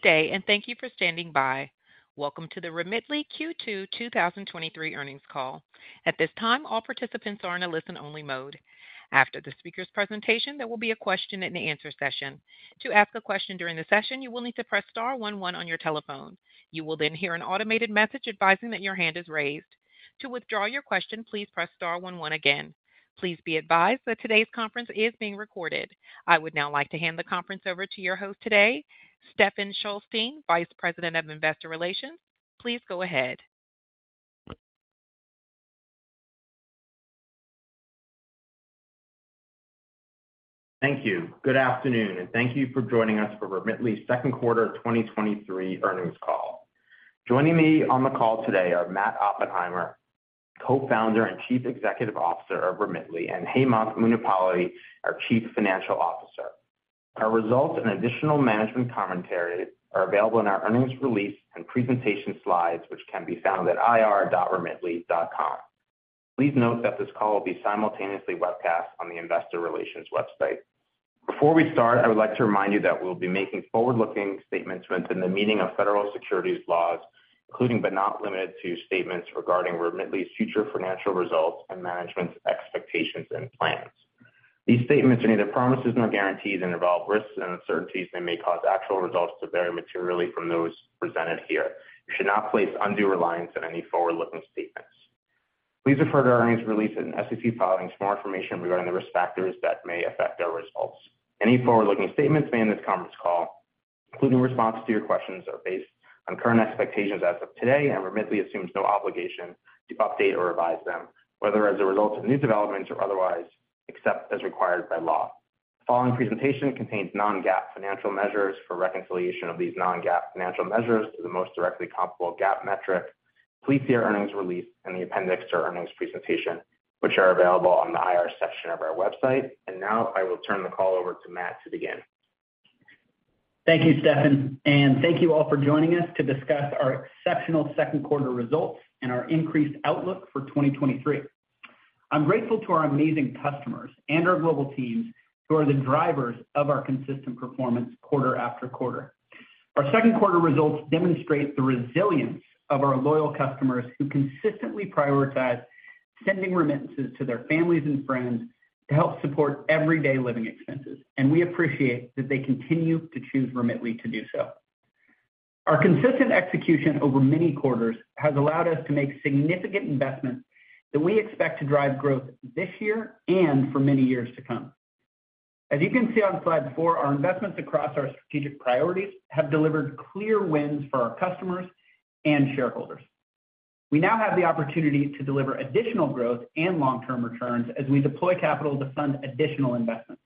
Good day, thank you for standing by. Welcome to the Remitly Q2 2023 Earnings Call. At this time, all participants are in a listen-only mode. After the speaker's presentation, there will be a question and answer session. To ask a question during the session, you will need to press star one one on your telephone. You will hear an automated message advising that your hand is raised. To withdraw your question, please press star one one again. Please be advised that today's conference is being recorded. I would now like to hand the conference over to your host today, Stephen Shulstein, Vice President of Investor Relations. Please go ahead. Thank you. Good afternoon, and thank you for joining us for Remitly's second quarter 2023 earnings call. Joining me on the call today are Matt Oppenheimer, Co-founder and Chief Executive Officer of Remitly, and Hemanth Munipalli, our Chief Financial Officer. Our results and additional management commentary are available in our earnings release and presentation slides, which can be found at ir.remitly.com. Please note that this call will be simultaneously webcast on the investor relations website. Before we start, I would like to remind you that we'll be making forward-looking statements within the meaning of federal securities laws, including but not limited to, statements regarding Remitly's future financial results and management's expectations and plans. These statements are neither promises nor guarantees and involve risks and uncertainties that may cause actual results to vary materially from those presented here. You should not place undue reliance on any forward-looking statements. Please refer to our earnings release and SEC filings for more information regarding the risk factors that may affect our results. Any forward-looking statements made in this conference call, including responses to your questions, are based on current expectations as of today, Remitly assumes no obligation to update or revise them, whether as a result of new developments or otherwise, except as required by law. The following presentation contains non-GAAP financial measures. For reconciliation of these non-GAAP financial measures to the most directly comparable GAAP metric, please see our earnings release in the appendix to our earnings presentation, which are available on the IR section of our website. Now I will turn the call over to Matt to begin. Thank you, Stephen, and thank you all for joining us to discuss our exceptional second quarter results and our increased outlook for 2023. I'm grateful to our amazing customers and our global teams who are the drivers of our consistent performance quarter-after-quarter. Our second quarter results demonstrate the resilience of our loyal customers, who consistently prioritize sending remittances to their families and friends to help support everyday living expenses, and we appreciate that they continue to choose Remitly to do so. Our consistent execution over many quarters has allowed us to make significant investments that we expect to drive growth this year and for many years to come. As you can see on slide four, our investments across our strategic priorities have delivered clear wins for our customers and shareholders. We now have the opportunity to deliver additional growth and long-term returns as we deploy capital to fund additional investments.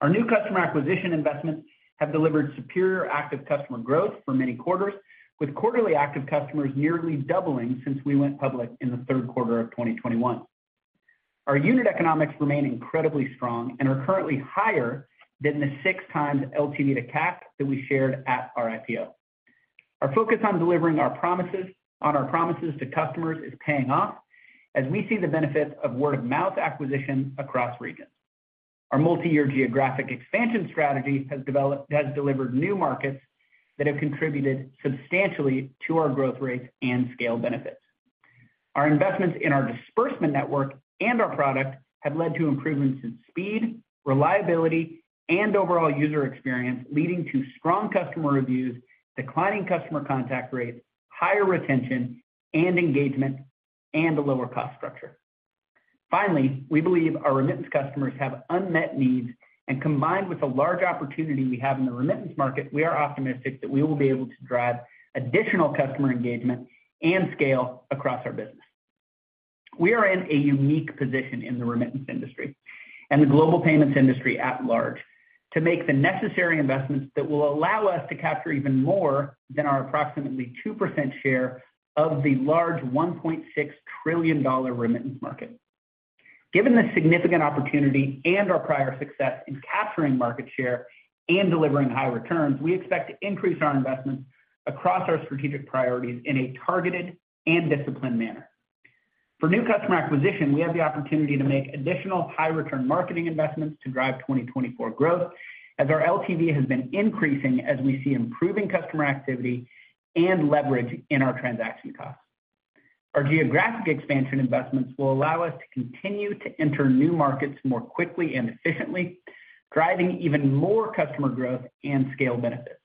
Our new customer acquisition investments have delivered superior active customer growth for many quarters, with quarterly active customers nearly doubling since we went public in the third quarter of 2021. Our unit economics remain incredibly strong and are currently higher than the 6x LTV to CAC that we shared at our IPO. Our focus on delivering on our promises to customers is paying off as we see the benefits of word-of-mouth acquisition across regions. Our multi-year geographic expansion strategy has delivered new markets that have contributed substantially to our growth rates and scale benefits. Our investments in our disbursement network and our product have led to improvements in speed, reliability, and overall user experience, leading to strong customer reviews, declining customer contact rates, higher retention and engagement, and a lower cost structure. Finally, we believe our remittance customers have unmet needs, and combined with the large opportunity we have in the remittance market, we are optimistic that we will be able to drive additional customer engagement and scale across our business. We are in a unique position in the remittance industry and the global payments industry at large, to make the necessary investments that will allow us to capture even more than our approximately 2% share of the large $1.6 trillion remittance market. Given the significant opportunity and our prior success in capturing market share and delivering high returns, we expect to increase our investments across our strategic priorities in a targeted and disciplined manner. For new customer acquisition, we have the opportunity to make additional high return marketing investments to drive 2024 growth, as our LTV has been increasing as we see improving customer activity and leverage in our transaction costs. Our geographic expansion investments will allow us to continue to enter new markets more quickly and efficiently, driving even more customer growth and scale benefits.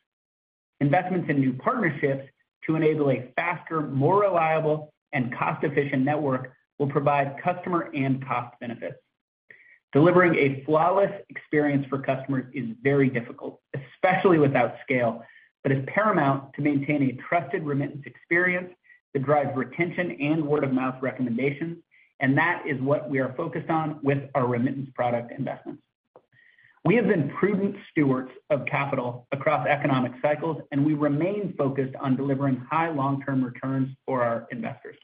Investments in new partnerships to enable a faster, more reliable, and cost-efficient network will provide customer and cost benefits. Delivering a flawless experience for customers is very difficult, especially without scale, but it's paramount to maintain a trusted remittance experience that drives retention and word-of-mouth recommendations, and that is what we are focused on with our remittance product investments. We have been prudent stewards of capital across economic cycles, and we remain focused on delivering high long-term returns for our investors.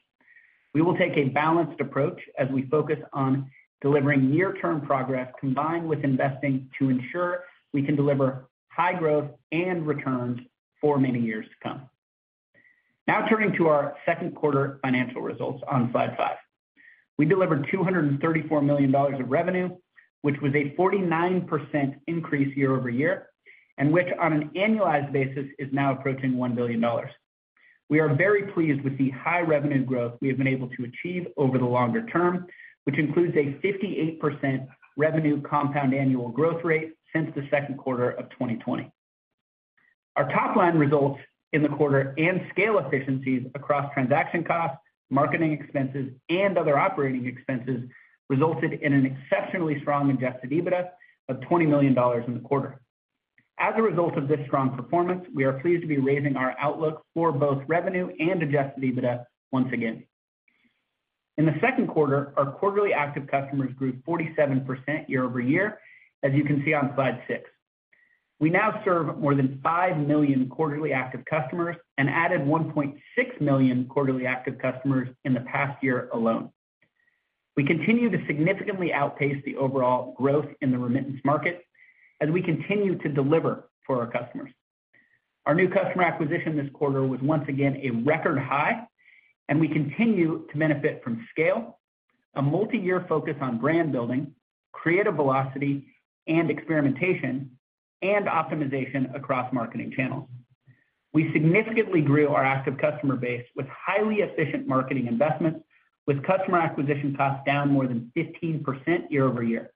We will take a balanced approach as we focus on delivering near-term progress, combined with investing, to ensure we can deliver high growth and returns for many years to come. Now turning to our second quarter financial results on slide five. We delivered $234 million of revenue, which was a 49% increase year-over-year, and which, on an annualized basis, is now approaching $1 billion. We are very pleased with the high revenue growth we have been able to achieve over the longer term, which includes a 58% revenue compound annual growth rate since the second quarter of 2020. Our top line results in the quarter and scale efficiencies across transaction costs, marketing expenses, and other operating expenses, resulted in an exceptionally strong adjusted EBITDA of $20 million in the quarter. As a result of this strong performance, we are pleased to be raising our outlook for both revenue and adjusted EBITDA once again. In the second quarter, our quarterly active customers grew 47% year-over-year, as you can see on slide six. We now serve more than 5 million quarterly active customers and added 1.6 million quarterly active customers in the past year alone. We continue to significantly outpace the overall growth in the remittance market as we continue to deliver for our customers. Our new customer acquisition this quarter was once again a record high, and we continue to benefit from scale, a multi-year focus on brand building, creative velocity and experimentation, and optimization across marketing channels. We significantly grew our active customer base with highly efficient marketing investments, with customer acquisition costs down more than 15% year-over-year.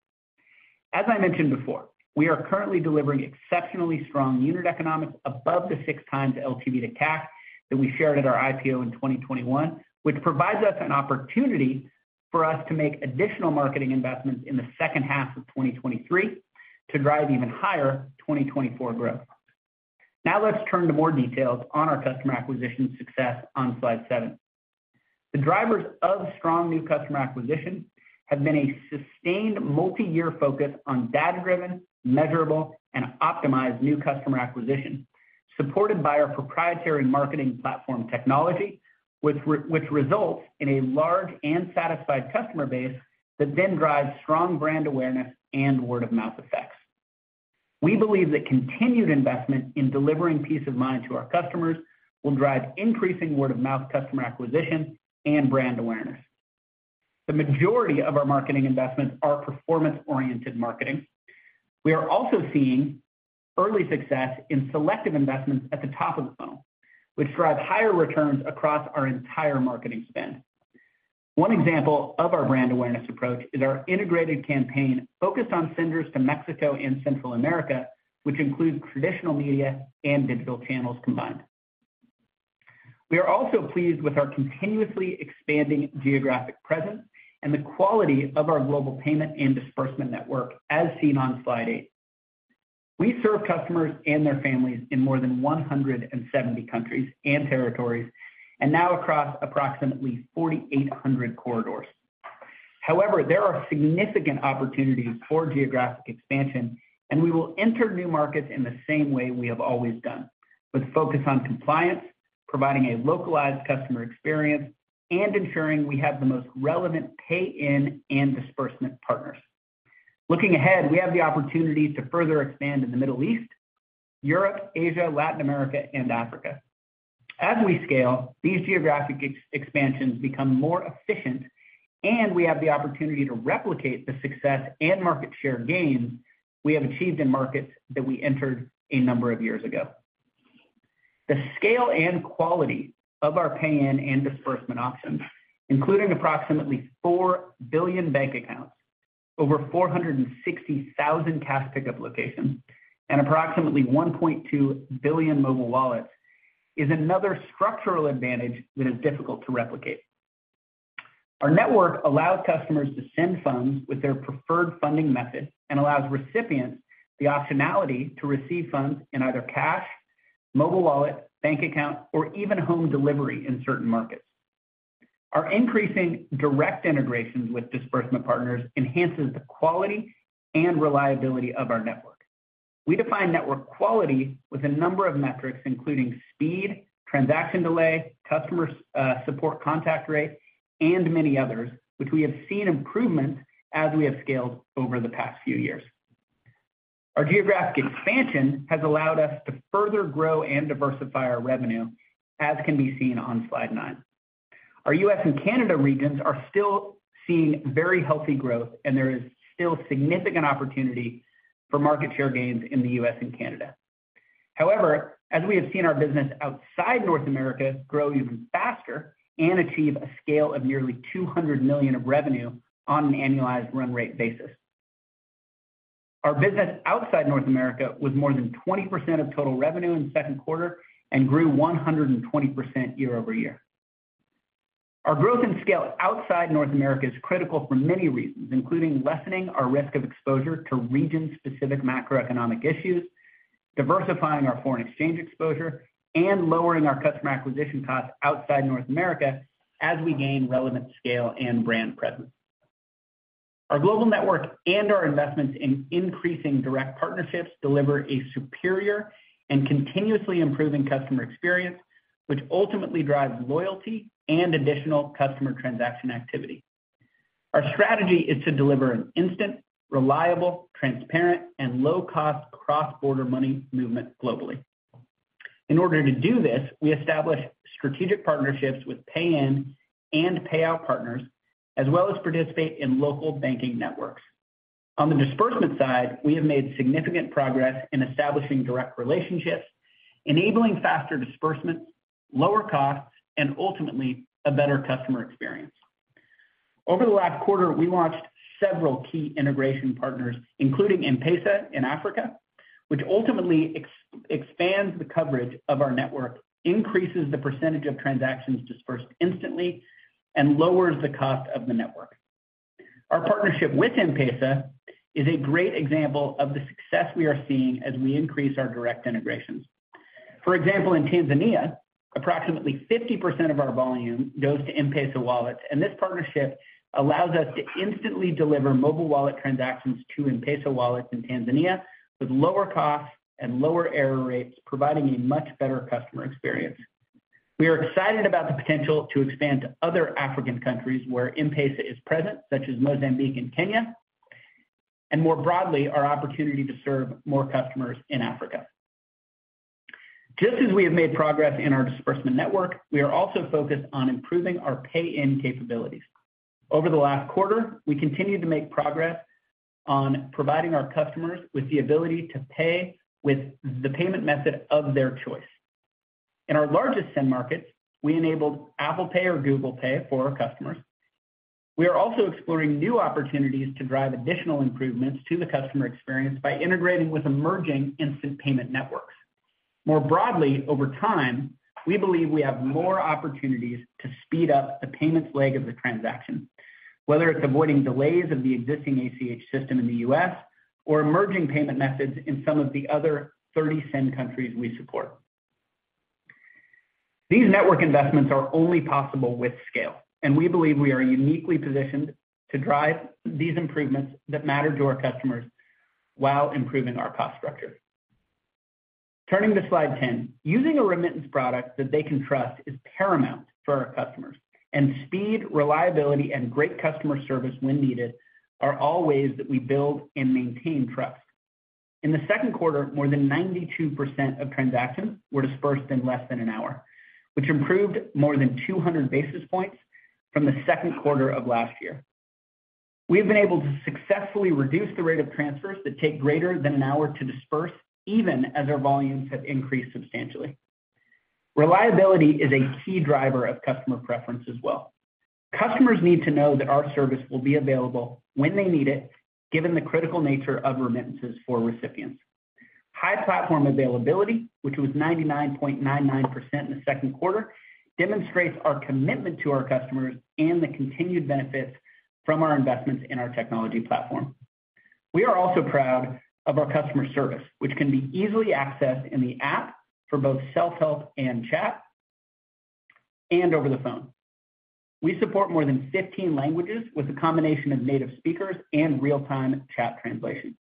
As I mentioned before, we are currently delivering exceptionally strong unit economics above the 6x LTV to CAC that we shared at our IPO in 2021, which provides us an opportunity for us to make additional marketing investments in the second half of 2023 to drive even higher 2024 growth. Now let's turn to more details on our customer acquisition success on slide seven. The drivers of strong new customer acquisition have been a sustained multi-year focus on data-driven, measurable, and optimized new customer acquisition, supported by our proprietary marketing platform technology, which results in a large and satisfied customer base that then drives strong brand awareness and word-of-mouth effects. We believe that continued investment in delivering peace of mind to our customers will drive increasing word-of-mouth customer acquisition and brand awareness. The majority of our marketing investments are performance-oriented marketing. We are also seeing early success in selective investments at the top of the funnel, which drives higher returns across our entire marketing spend. One example of our brand awareness approach is our integrated campaign focused on senders to Mexico and Central America, which includes traditional media and digital channels combined. We are also pleased with our continuously expanding geographic presence and the quality of our global payment and disbursement network, as seen on slide eight. We serve customers and their families in more than 170 countries and territories, and now across approximately 4,800 corridors. However, there are significant opportunities for geographic expansion, and we will enter new markets in the same way we have always done, with focus on compliance, providing a localized customer experience, and ensuring we have the most relevant pay in and disbursement partners. Looking ahead, we have the opportunity to further expand in the Middle East, Europe, Asia, Latin America, and Africa. As we scale, these geographic expansions become more efficient, and we have the opportunity to replicate the success and market share gains we have achieved in markets that we entered a number of years ago. The scale and quality of our pay in and disbursement options, including approximately 4 billion bank accounts, over 460,000 cash pickup locations, and approximately 1.2 billion mobile wallets, is another structural advantage that is difficult to replicate. Our network allows customers to send funds with their preferred funding method and allows recipients the optionality to receive funds in either cash, mobile wallet, bank account, or even home delivery in certain markets. Our increasing direct integrations with disbursement partners enhances the quality and reliability of our network. We define network quality with a number of metrics, including speed, transaction delay, customer support contact rate, and many others, which we have seen improvement as we have scaled over the past few years. Our geographic expansion has allowed us to further grow and diversify our revenue, as can be seen on slide nine. Our US and Canada regions are still seeing very healthy growth. There is still significant opportunity for market share gains in the U.S. and Canada. However, as we have seen our business outside North America grow even faster and achieve a scale of nearly $200 million of revenue on an annualized run rate basis. Our business outside North America was more than 20% of total revenue in the second quarter and grew 120% year-over-year. Our growth and scale outside North America is critical for many reasons, including lessening our risk of exposure to region-specific macroeconomic issues, diversifying our foreign exchange exposure, and lowering our customer acquisition costs outside North America as we gain relevant scale and brand presence. Our global network and our investments in increasing direct partnerships deliver a superior and continuously improving customer experience, which ultimately drives loyalty and additional customer transaction activity. Our strategy is to deliver an instant, reliable, transparent, and low-cost cross-border money movement globally. In order to do this, we establish strategic partnerships with pay in and payout partners, as well as participate in local banking networks. On the disbursement side, we have made significant progress in establishing direct relationships, enabling faster disbursements, lower costs, and ultimately, a better customer experience. Over the last quarter, we launched several key integration partners, including M-PESA in Africa, which ultimately expands the coverage of our network, increases the percentage of transactions disbursed instantly, and lowers the cost of the network. Our partnership with M-PESA is a great example of the success we are seeing as we increase our direct integrations. For example, in Tanzania, approximately 50% of our volume goes to M-PESA wallets, and this partnership allows us to instantly deliver mobile wallet transactions to M-PESA wallets in Tanzania with lower costs and lower error rates, providing a much better customer experience. We are excited about the potential to expand to other African countries where M-PESA is present, such as Mozambique and Kenya, and more broadly, our opportunity to serve more customers in Africa. Just as we have made progress in our disbursement network, we are also focused on improving our pay-in capabilities. Over the last quarter, we continued to make progress on providing our customers with the ability to pay with the payment method of their choice. In our largest send markets, we enabled Apple Pay or Google Pay for our customers. We are also exploring new opportunities to drive additional improvements to the customer experience by integrating with emerging instant payment networks. More broadly, over time, we believe we have more opportunities to speed up the payments leg of the transaction, whether it's avoiding delays of the existing ACH system in the U.S. or emerging payment methods in some of the other 30 send countries we support. These network investments are only possible with scale, and we believe we are uniquely positioned to drive these improvements that matter to our customers while improving our cost structure. Turning to slide 10. Using a remittance product that they can trust is paramount for our customers, and speed, reliability, and great customer service when needed are all ways that we build and maintain trust. In the second quarter, more than 92% of transactions were disbursed in less than an hour, which improved more than 200 basis points from the second quarter of last year. We have been able to successfully reduce the rate of transfers that take greater than an hour to disburse, even as our volumes have increased substantially. Reliability is a key driver of customer preference as well. Customers need to know that our service will be available when they need it, given the critical nature of remittances for recipients. High platform availability, which was 99.99% in the second quarter, demonstrates our commitment to our customers and the continued benefits from our investments in our technology platform. We are also proud of our customer service, which can be easily accessed in the app for both self-help and chat, and over the phone. We support more than 15 languages, with a combination of native speakers and real-time chat translation.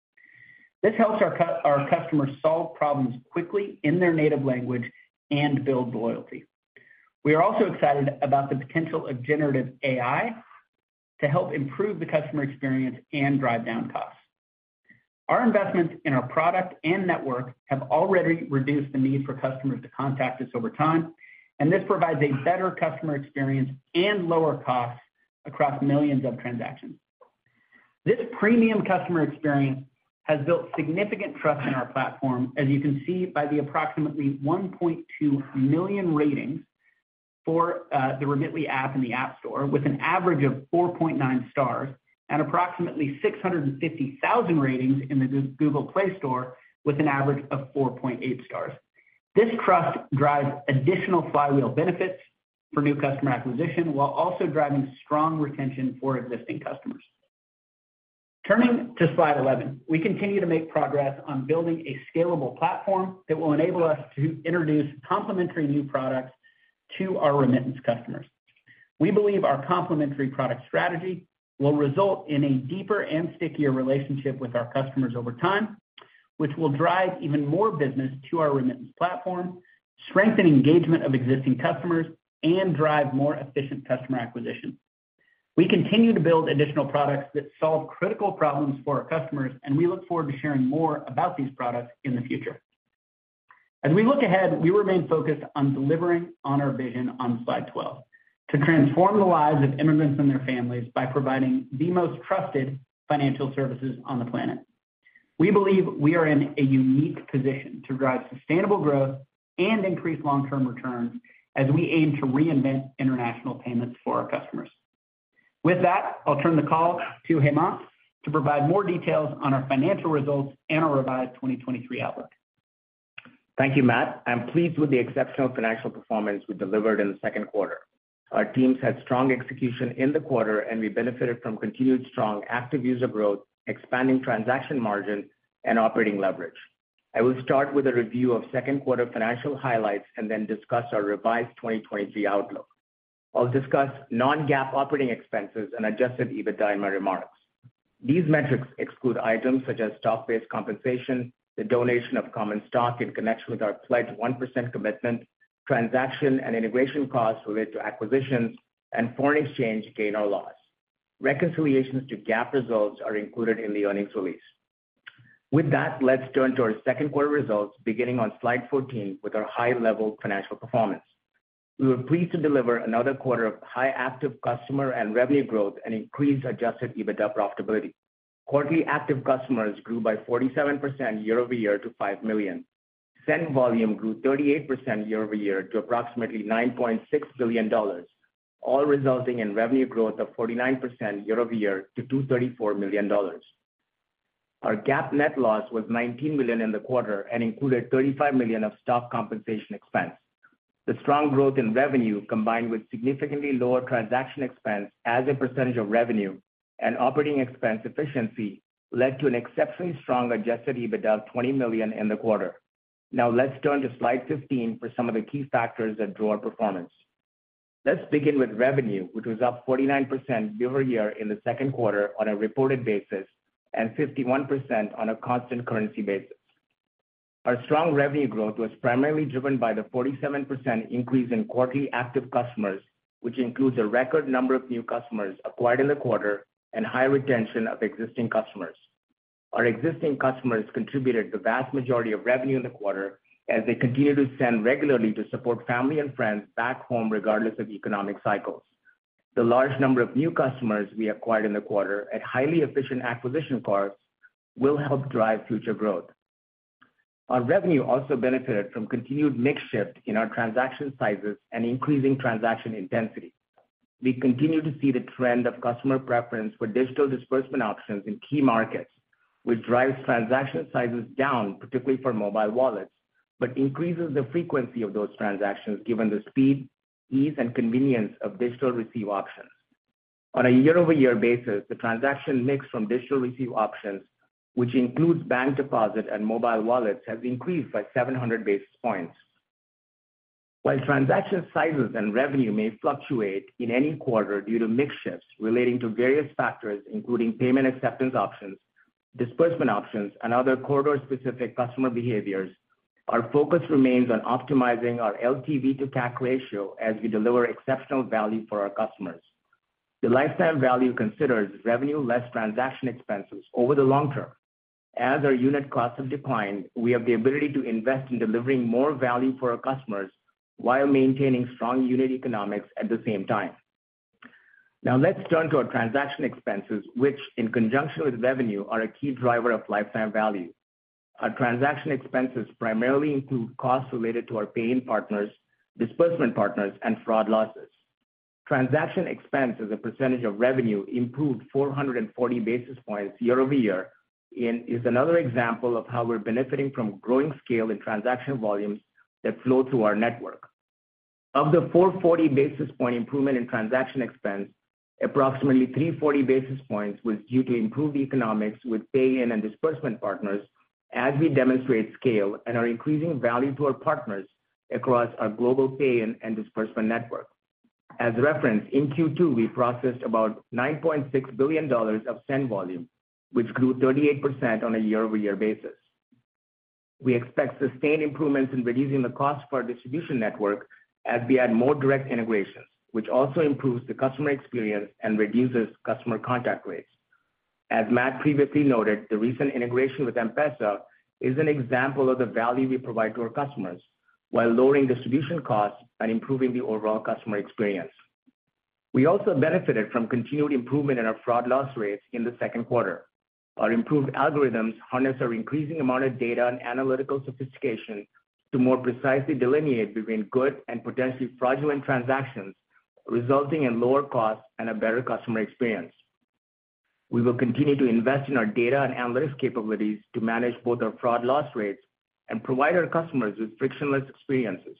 This helps our customers solve problems quickly in their native language and build loyalty. We are also excited about the potential of generative AI to help improve the customer experience and drive down costs. Our investments in our product and network have already reduced the need for customers to contact us over time, and this provides a better customer experience and lower costs across millions of transactions. This premium customer experience has built significant trust in our platform, as you can see by the approximately 1.2 million ratings for the Remitly app in the App Store, with an average of 4.9 stars, and approximately 650,000 ratings in the Google Play Store, with an average of 4.8 stars. This trust drives additional flywheel benefits for new customer acquisition, while also driving strong retention for existing customers. Turning to slide 11. We continue to make progress on building a scalable platform that will enable us to introduce complementary new products to our remittance customers. We believe our complementary product strategy will result in a deeper and stickier relationship with our customers over time, which will drive even more business to our remittance platform, strengthen engagement of existing customers, and drive more efficient customer acquisition. We continue to build additional products that solve critical problems for our customers, and we look forward to sharing more about these products in the future. As we look ahead, we remain focused on delivering on our vision on slide 12: to transform the lives of immigrants and their families by providing the most trusted financial services on the planet. We believe we are in a unique position to drive sustainable growth and increase long-term returns as we aim to reinvent international payments for our customers. With that, I'll turn the call to Hemanth to provide more details on our financial results and our revised 2023 outlook. Thank you, Matt. I'm pleased with the exceptional financial performance we delivered in the second quarter. Our teams had strong execution in the quarter, we benefited from continued strong active user growth, expanding transaction margin, and operating leverage. I will start with a review of second quarter financial highlights and then discuss our revised 2023 outlook. I'll discuss non-GAAP operating expenses and adjusted EBITDA in my remarks. These metrics exclude items such as stock-based compensation, the donation of common stock in connection with our Pledge 1% commitment, transaction and integration costs related to acquisitions, and foreign exchange gain or loss. Reconciliations to GAAP results are included in the earnings release. Let's turn to our second quarter results, beginning on slide 14 with our high-level financial performance. We were pleased to deliver another quarter of high active customer and revenue growth and increased adjusted EBITDA profitability. Quarterly active customers grew by 47% year-over-year to $5 million. Send volume grew 38% year-over-year to approximately $9.6 billion, all resulting in revenue growth of 49% year-over-year to $234 million. Our GAAP net loss was $19 million in the quarter and included $35 million of stock compensation expense. The strong growth in revenue, combined with significantly lower transaction expense as a percentage of revenue and operating expense efficiency, led to an exceptionally strong adjusted EBITDA of $20 million in the quarter. Now let's turn to slide 15 for some of the key factors that drove our performance. Let's begin with revenue, which was up 49% year-over-year in the second quarter on a reported basis, and 51% on a constant currency basis. Our strong revenue growth was primarily driven by the 47% increase in quarterly active customers, which includes a record number of new customers acquired in the quarter and high retention of existing customers. Our existing customers contributed the vast majority of revenue in the quarter as they continue to send regularly to support family and friends back home, regardless of economic cycles. The large number of new customers we acquired in the quarter at highly efficient acquisition costs will help drive future growth. Our revenue also benefited from continued mix shift in our transaction sizes and increasing transaction intensity. We continue to see the trend of customer preference for digital disbursement options in key markets, which drives transaction sizes down, particularly for mobile wallets, but increases the frequency of those transactions given the speed, ease, and convenience of digital receive options. On a year-over-year basis, the transaction mix from digital receive options, which includes bank deposit and mobile wallets, has increased by 700 basis points. While transaction sizes and revenue may fluctuate in any quarter due to mix shifts relating to various factors, including payment acceptance options, disbursement options, and other corridor-specific customer behaviors, our focus remains on optimizing our LTV to CAC ratio as we deliver exceptional value for our customers. The lifetime value considers revenue less transaction expenses over the long-term. As our unit costs have declined, we have the ability to invest in delivering more value for our customers while maintaining strong unit economics at the same time. Now let's turn to our transaction expenses, which, in conjunction with revenue, are a key driver of lifetime value. Our transaction expenses primarily include costs related to our pay-in partners, disbursement partners, and fraud losses. Transaction expense as a percentage of revenue improved 440 basis points year-over-year, and is another example of how we're benefiting from growing scale in transaction volumes that flow through our network. Of the 440 basis point improvement in transaction expense, approximately 340 basis points was due to improved economics with pay-in and disbursement partners as we demonstrate scale and are increasing value to our partners across our global pay-in and disbursement network. As referenced, in Q2, we processed about $9.6 billion of send volume, which grew 38% on a year-over-year basis. We expect sustained improvements in reducing the cost for our distribution network as we add more direct integrations, which also improves the customer experience and reduces customer contact rates. As Matt previously noted, the recent integration with M-PESA is an example of the value we provide to our customers while lowering distribution costs and improving the overall customer experience. We also benefited from continued improvement in our fraud loss rates in the second quarter. Our improved algorithms harness our increasing amount of data and analytical sophistication to more precisely delineate between good and potentially fraudulent transactions, resulting in lower costs and a better customer experience. We will continue to invest in our data and analytics capabilities to manage both our fraud loss rates and provide our customers with frictionless experiences.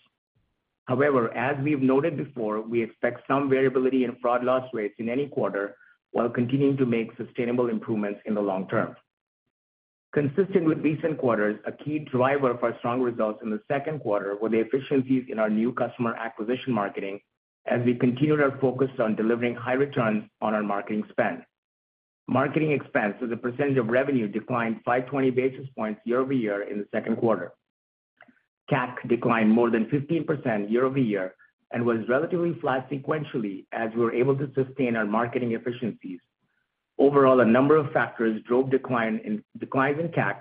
However, as we've noted before, we expect some variability in fraud loss rates in any quarter, while continuing to make sustainable improvements in the long-term. Consistent with recent quarters, a key driver of our strong results in the second quarter were the efficiencies in our new customer acquisition marketing, as we continued our focus on delivering high returns on our marketing spend. Marketing expense as a percentage of revenue declined 520 basis points year-over-year in the second quarter. CAC declined more than 15% year-over-year and was relatively flat sequentially as we were able to sustain our marketing efficiencies. Overall, a number of factors drove decline in CAC,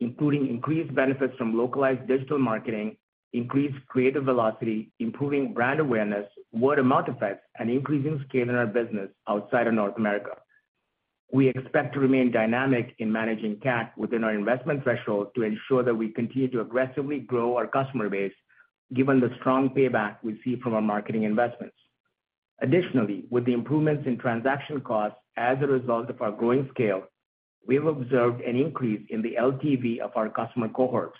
including increased benefits from localized digital marketing, increased creative velocity, improving brand awareness, word-of-mouth effects, and increasing scale in our business outside of North America. We expect to remain dynamic in managing CAC within our investment threshold to ensure that we continue to aggressively grow our customer base, given the strong payback we see from our marketing investments. Additionally, with the improvements in transaction costs as a result of our growing scale, we have observed an increase in the LTV of our customer cohorts.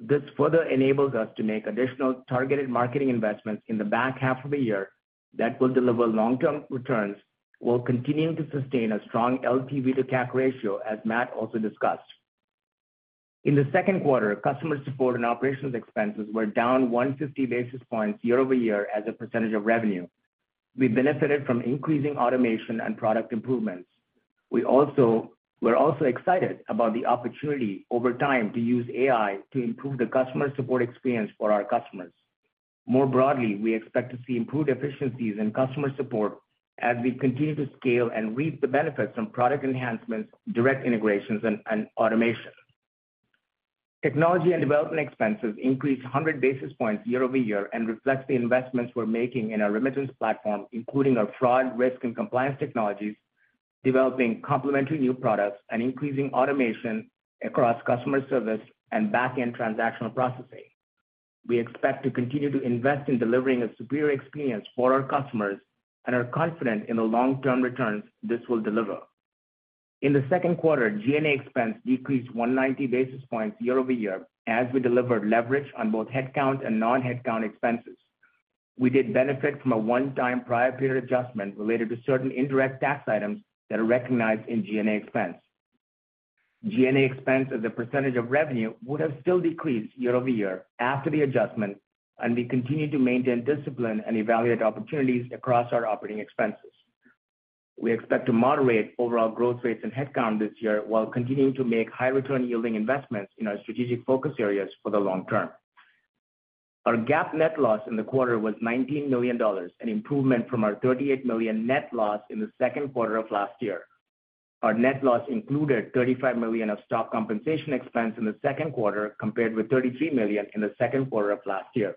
This further enables us to make additional targeted marketing investments in the back half of the year that will deliver long-term returns, while continuing to sustain a strong LTV to CAC ratio, as Matt also discussed. In the second quarter, customer support and operations expenses were down 150 basis points year-over-year as a % of revenue. We benefited from increasing automation and product improvements. We're also excited about the opportunity over time to use AI to improve the customer support experience for our customers. More broadly, we expect to see improved efficiencies in customer support as we continue to scale and reap the benefits from product enhancements, direct integrations, and automation. Technology and development expenses increased 100 basis points year-over-year, and reflects the investments we're making in our Remitly platform, including our fraud, risk, and compliance technologies, developing complementary new products, and increasing automation across customer service and back-end transactional processing. We expect to continue to invest in delivering a superior experience for our customers, and are confident in the long-term returns this will deliver. In the second quarter, G&A expense decreased 190 basis points year-over-year, as we delivered leverage on both headcount and non-headcount expenses. We did benefit from a one-time prior period adjustment related to certain indirect tax items that are recognized in G&A expense. G&A expense as a percentage of revenue would have still decreased year-over-year after the adjustment, and we continue to maintain discipline and evaluate opportunities across our operating expenses. We expect to moderate overall growth rates and headcount this year, while continuing to make high return yielding investments in our strategic focus areas for the long-term. Our GAAP net loss in the quarter was $19 million, an improvement from our $38 million net loss in the second quarter of last year. Our net loss included $35 million of stock compensation expense in the second quarter, compared with $33 million in the second quarter of last year.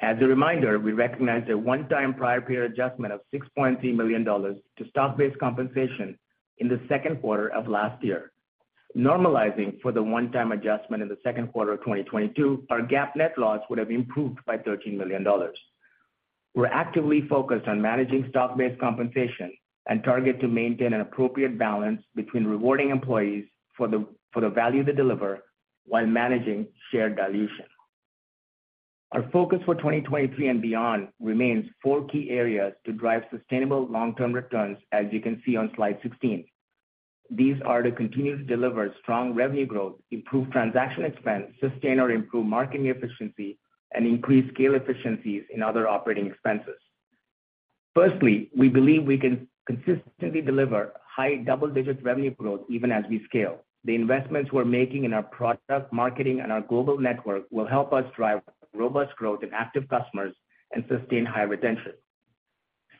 As a reminder, we recognized a one-time prior period adjustment of $6.3 million to stock-based compensation in the second quarter of last year. Normalizing for the one-time adjustment in the second quarter of 2022, our GAAP net loss would have improved by $13 million. We're actively focused on managing stock-based compensation, and target to maintain an appropriate balance between rewarding employees for the, for the value they deliver, while managing share dilution. Our focus for 2023 and beyond remains four key areas to drive sustainable long-term returns, as you can see on slide 16. These are to continue to deliver strong revenue growth, improve transaction expense, sustain or improve marketing efficiency, and increase scale efficiencies in other operating expenses. Firstly, we believe we can consistently deliver high double-digit revenue growth even as we scale. The investments we're making in our product marketing and our global network will help us drive robust growth in active customers and sustain high retention.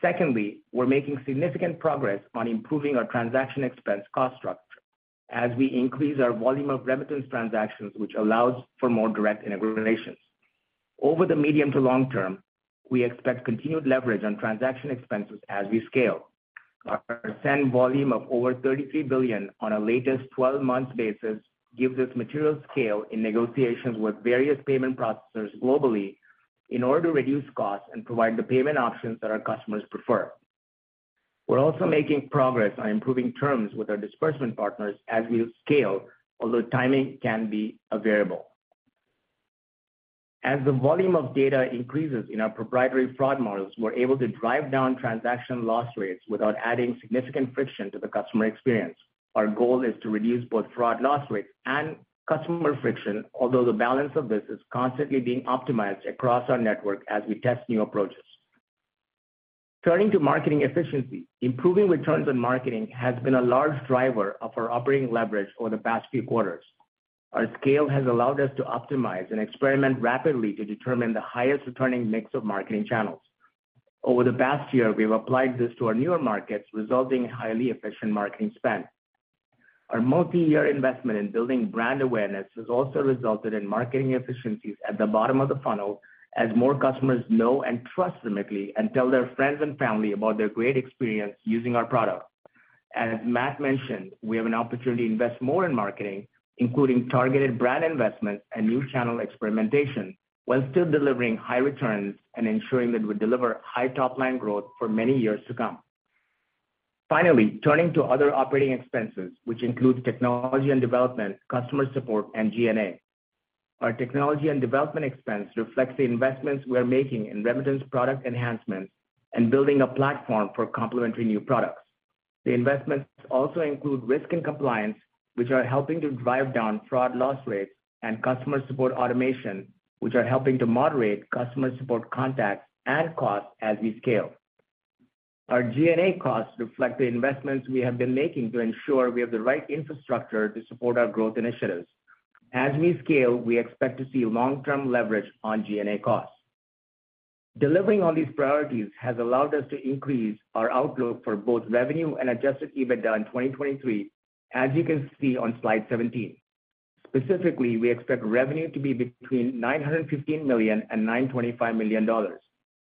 Secondly, we're making significant progress on improving our transaction expense cost structure as we increase our volume of remittance transactions, which allows for more direct integrations. Over the medium to long-term, we expect continued leverage on transaction expenses as we scale. Our send volume of over $33 billion on a latest 12-month basis, gives us material scale in negotiations with various payment processors globally in order to reduce costs and provide the payment options that our customers prefer. We're also making progress on improving terms with our disbursement partners as we scale, although timing can be a variable. As the volume of data increases in our proprietary fraud models, we're able to drive down transaction loss rates without adding significant friction to the customer experience. Our goal is to reduce both fraud loss rates and customer friction, although the balance of this is constantly being optimized across our network as we test new approaches. Turning to marketing efficiency, improving returns on marketing has been a large driver of our operating leverage over the past few quarters. Our scale has allowed us to optimize and experiment rapidly to determine the highest returning mix of marketing channels. Over the past year, we've applied this to our newer markets, resulting in highly efficient marketing spend. Our multi-year investment in building brand awareness has also resulted in marketing efficiencies at the bottom of the funnel, as more customers know and trust Remitly and tell their friends and family about their great experience using our product. As Matt mentioned, we have an opportunity to invest more in marketing, including targeted brand investment and new channel experimentation, while still delivering high returns and ensuring that we deliver high top-line growth for many years to come. Finally, turning to other operating expenses, which includes technology and development, customer support, and G&A. Our technology and development expense reflects the investments we are making in remittance product enhancements and building a platform for complementary new products. The investments also include risk and compliance, which are helping to drive down fraud loss rates and customer support automation, which are helping to moderate customer support contacts and costs as we scale. Our G&A costs reflect the investments we have been making to ensure we have the right infrastructure to support our growth initiatives. As we scale, we expect to see long-term leverage on G&A costs. Delivering on these priorities has allowed us to increase our outlook for both revenue and adjusted EBITDA in 2023, as you can see on slide 17. Specifically, we expect revenue to be between $915 million and $925 million,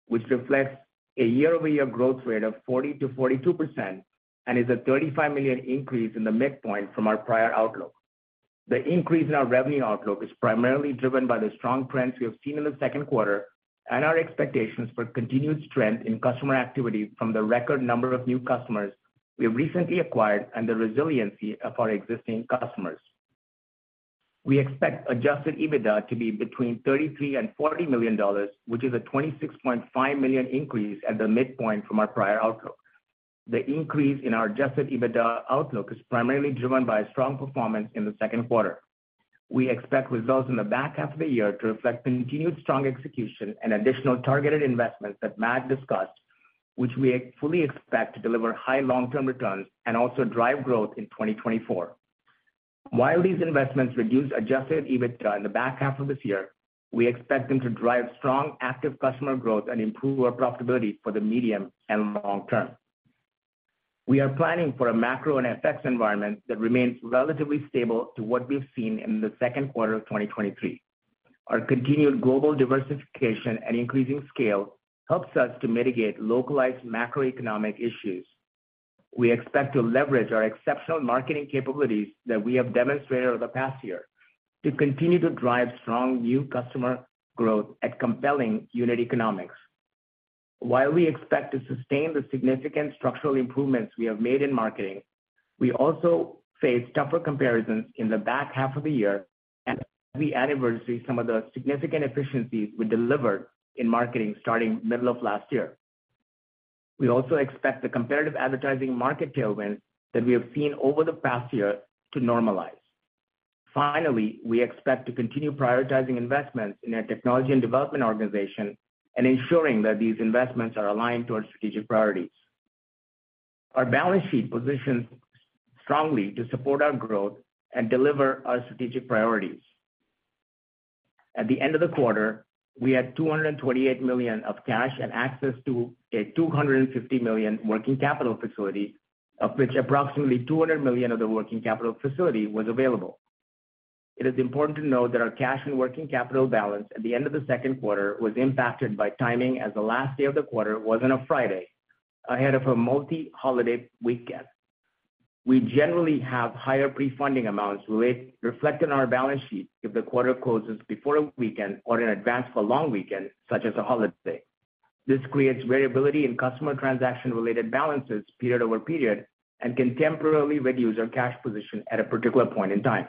which reflects a year-over-year growth rate of 40%-42%, and is a $35 million increase in the midpoint from our prior outlook. The increase in our revenue outlook is primarily driven by the strong trends we have seen in the second quarter, and our expectations for continued strength in customer activity from the record number of new customers we have recently acquired, and the resiliency of our existing customers. We expect adjusted EBITDA to be between $33 million and $40 million, which is a $26.5 million increase at the midpoint from our prior outlook. The increase in our adjusted EBITDA outlook is primarily driven by a strong performance in the second quarter. We expect results in the back half of the year to reflect continued strong execution and additional targeted investments that Matt discussed, which we fully expect to deliver high long-term returns and also drive growth in 2024. While these investments reduce adjusted EBITDA in the back half of this year, we expect them to drive strong active customer growth and improve our profitability for the medium and long-term. We are planning for a macro and FX environment that remains relatively stable to what we've seen in the second quarter of 2023. Our continued global diversification and increasing scale helps us to mitigate localized macroeconomic issues. We expect to leverage our exceptional marketing capabilities that we have demonstrated over the past year to continue to drive strong new customer growth at compelling unit economics. While we expect to sustain the significant structural improvements we have made in marketing, we also face tougher comparisons in the back half of the year as we anniversary some of the significant efficiencies we delivered in marketing starting middle of last year. We also expect the competitive advertising market tailwind that we have seen over the past year to normalize. Finally, we expect to continue prioritizing investments in our technology and development organization and ensuring that these investments are aligned to our strategic priorities. Our balance sheet positions strongly to support our growth and deliver our strategic priorities. At the end of the quarter, we had $228 million of cash and access to a $250 million working capital facility, of which approximately $200 million of the working capital facility was available. It is important to note that our cash and working capital balance at the end of the second quarter was impacted by timing, as the last day of the quarter was on a Friday, ahead of a multi-holiday weekend. We generally have higher pre-funding amounts, which reflect on our balance sheet if the quarter closes before a weekend or in advance of a long weekend, such as a holiday. This creates variability in customer transaction-related balances period-over-period and can temporarily reduce our cash position at a particular point in time.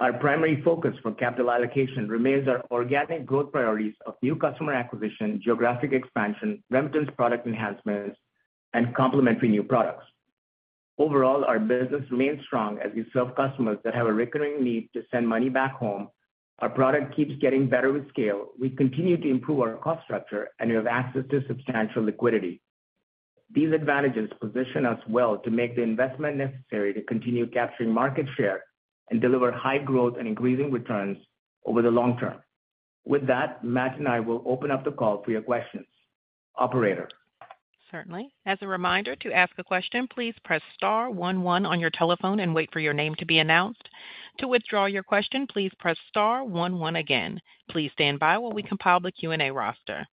Our primary focus for capital allocation remains our organic growth priorities of new customer acquisition, geographic expansion, remittance product enhancements, and complementary new products. Overall, our business remains strong as we serve customers that have a recurring need to send money back home. Our product keeps getting better with scale. We continue to improve our cost structure. We have access to substantial liquidity. These advantages position us well to make the investment necessary to continue capturing market share and deliver high growth and increasing returns over the long-term. With that, Matt and I will open up the call for your questions. Operator? Certainly. As a reminder, to ask a question, please press star one one on your telephone and wait for your name to be announced. To withdraw your question, please press star one one again. Please stand by while we compile the Q&A roster.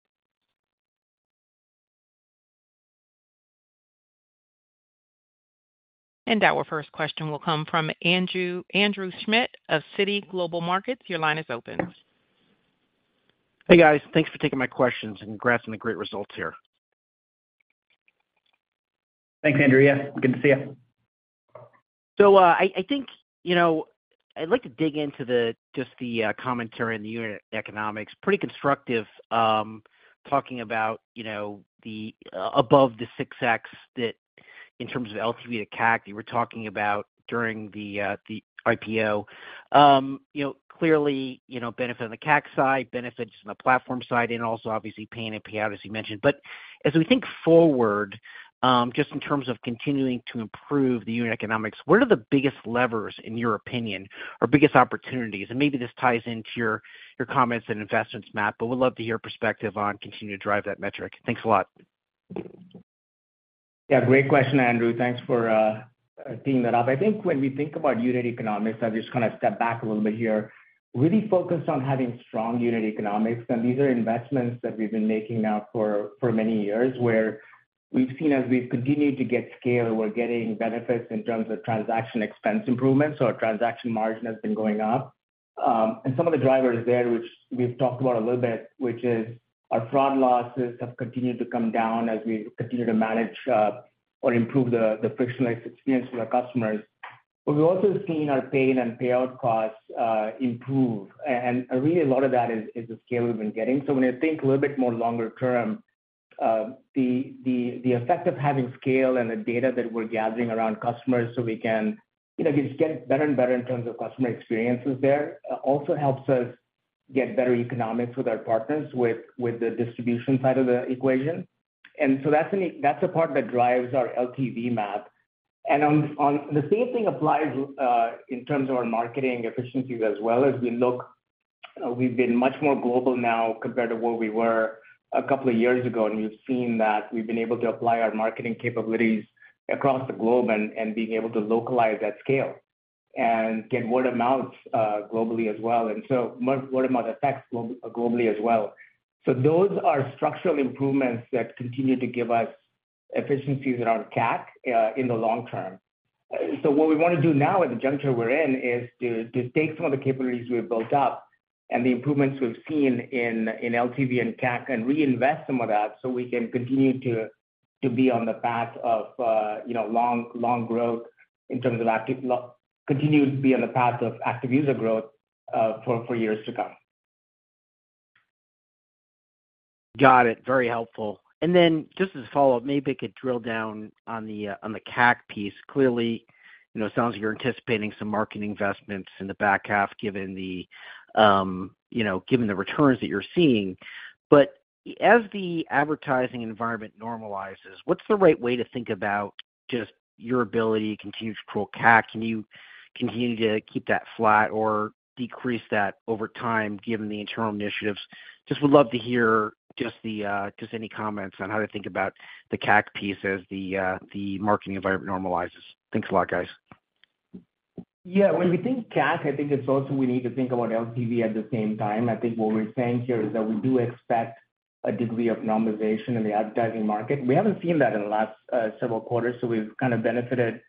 Our first question will come from Andrew Schmidt of Citi Global Markets. Your line is open. Hey, guys. Thanks for taking my questions, and congrats on the great results here. Thanks, Andrew. Yeah, good to see you. I, I think, you know, I'd like to dig into the, just the commentary on the unit economics. Pretty constructive, talking about, you know, the above the 6x that in terms of LTV to CAC you were talking about during the IPO. You know, clearly, you know, benefit on the CAC side, benefits on the platform side, and also obviously, paying it out, as you mentioned. But as we think forward, just in terms of continuing to improve the unit economics, what are the biggest levers in your opinion, or biggest opportunities? And maybe this ties into your, your comments and investments, Matt, but would love to hear your perspective on continuing to drive that metric. Thanks a lot. Yeah, great question, Andrew. Thanks for teeing that up. I think when we think about unit economics, I'll just kind of step back a little bit here, really focused on having strong unit economics. These are investments that we've been making now for, for many years, where we've seen as we've continued to get scale, we're getting benefits in terms of transaction expense improvements. Our transaction margin has been going up. And some of the drivers there, which we've talked about a little bit, which is our fraud losses have continued to come down as we continue to manage, or improve the, the frictionless experience for our customers. We've also seen our paying and payout costs improve, and, and really a lot of that is, is the scale we've been getting. When I think a little bit more longer term, the effect of having scale and the data that we're gathering around customers, so we can, you know, just get better and better in terms of customer experiences there, also helps us get better economics with our partners, with, with the distribution side of the equation. That's a part that drives our LTV map. The same thing applies in terms of our marketing efficiencies as well. As we look, we've been much more global now compared to where we were a couple of years ago, and you've seen that we've been able to apply our marketing capabilities across the globe and, and being able to localize that scale and get word of mouths globally as well, and so word of mouth effects globally as well. Those are structural improvements that continue to give us efficiencies around CAC in the long-term. What we want to do now at the juncture we're in, is to, to take some of the capabilities we've built up and the improvements we've seen in LTV and CAC and reinvest some of that, so we can continue to, to be on the path of, you know, long, long growth in terms of active continue to be on the path of active user growth for years to come. Got it. Very helpful. Then just as a follow-up, maybe I could drill down on the CAC piece. Clearly, you know, it sounds like you're anticipating some marketing investments in the back half, given the, you know, given the returns that you're seeing. As the advertising environment normalizes, what's the right way to think about just your ability to continue to control CAC? Can you continue to keep that flat or decrease that over time, given the internal initiatives? Just would love to hear just the, just any comments on how to think about the CAC piece as the marketing environment normalizes. Thanks a lot, guys. Yeah, when we think CAC, I think it's also we need to think about LTV at the same time. I think what we're saying here is that we do expect a degree of normalization in the advertising market. We haven't seen that in the last several quarters, so we've kind of benefited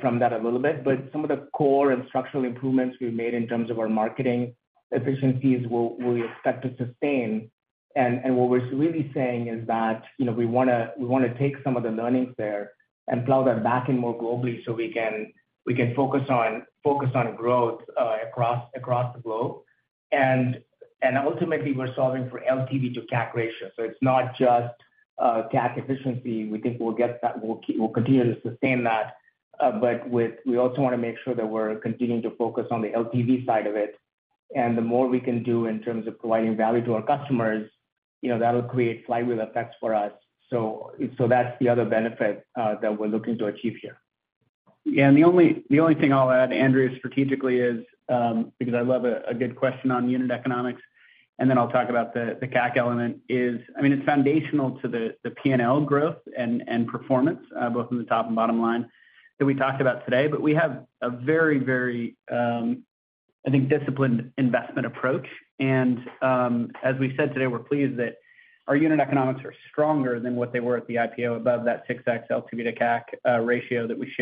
from that a little bit. Some of the core and structural improvements we've made in terms of our marketing efficiencies, we expect to sustain. What we're really saying is that, you know, we wanna, we wanna take some of the learnings there and plow them back in more globally so we can, we can focus on, focus on growth across, across the globe. Ultimately, we're solving for LTV to CAC ratio. It's not just CAC efficiency. We think we'll get that, we'll we'll continue to sustain that, but we also want to make sure that we're continuing to focus on the LTV side of it. The more we can do in terms of providing value to our customers, you know, that'll create flywheel effects for us. So that's the other benefit, that we're looking to achieve here. Yeah, and the only, the only thing I'll add, Andrew, strategically is, because I love a, a good question on unit economics, and then I'll talk about the, the CAC element is, I mean, it's foundational to the, the P&L growth and, and performance, both from the top and bottom line that we talked about today. We have a very, very, I think, disciplined investment approach. As we said today, we're pleased that our unit economics are stronger than what they were at the IPO above that 6x LTV to CAC, ratio that we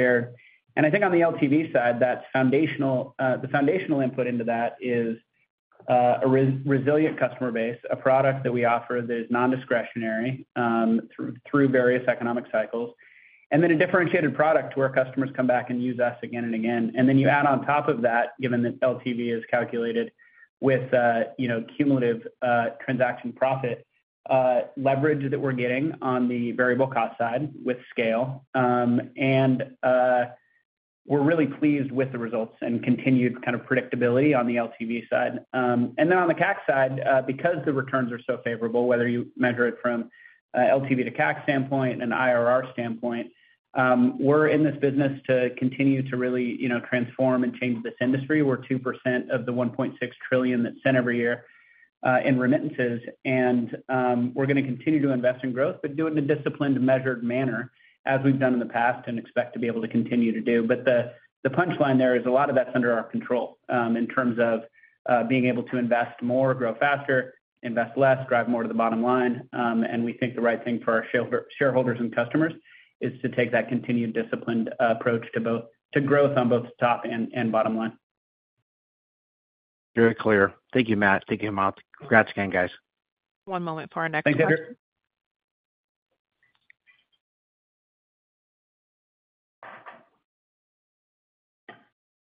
shared. I think on the LTV side, that foundational, the foundational input into that is a resilient customer base, a product that we offer that is non-discretionary, through, through various economic cycles, then a differentiated product where customers come back and use us again and again. Then you add on top of that, given that LTV is calculated with, you know, cumulative, transaction profit, leverage that we're getting on the variable cost side with scale. We're really pleased with the results and continued kind of predictability on the LTV side. On the CAC side, because the returns are so favorable, whether you measure it from a LTV to CAC standpoint and IRR standpoint, we're in this business to continue to really, you know, transform and change this industry, where 2% of the $1.6 trillion that's sent every year in remittances. We're gonna continue to invest in growth, but do it in a disciplined, measured manner, as we've done in the past and expect to be able to continue to do. The, the punchline there is a lot of that's under our control in terms of being able to invest more, grow faster, invest less, drive more to the bottom line. We think the right thing for our shareholders and customers is to take that continued, disciplined approach to growth on both top and bottom line. Very clear. Thank you, Matt. Thank you, Hemanth. Congrats again, guys. One moment for our next question.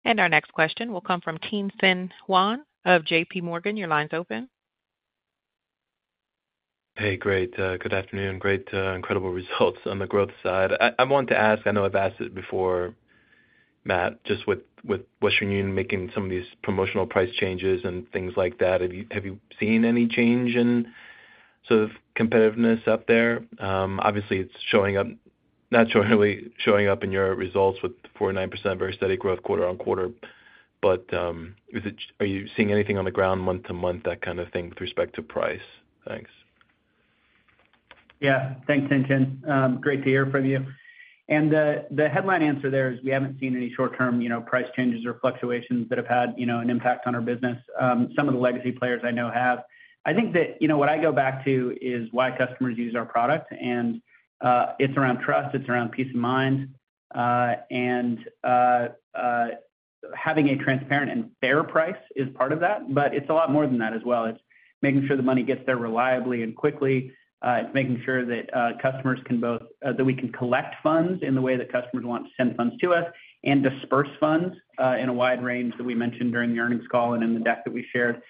Thanks, Andrew. Our next question will come from Tien-Tsin Huang of JPMorgan. Your line's open. Hey, great. Good afternoon. Great, incredible results on the growth side. I, I want to ask, I know I've asked it before, Matt, just with, with Western Union making some of these promotional price changes and things like that, have you, have you seen any change in sort of competitiveness up there? Obviously, it's showing up, not showing showing up in your results with 4.9%, very steady growth quarter-over-quarter. Are you seeing anything on the ground, month-over-month, that kind of thing with respect to price? Thanks. Yeah. Thanks, Tien-Tsin. Great to hear from you. The headline answer there is we haven't seen any short-term, you know, price changes or fluctuations that have had, you know, an impact on our business. Some of the legacy players I know have. I think that, you know, what I go back to is why customers use our product, it's around trust, it's around peace of mind, and having a transparent and fair price is part of that, but it's a lot more than that as well. It's making sure the money gets there reliably and quickly. It's making sure that customers can both- that we can collect funds in the way that customers want to send funds to us, and disperse funds in a wide range that we mentioned during the earnings call and in the deck that we shared.